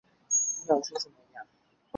最终向汝霖承认了其被控告的所有罪行。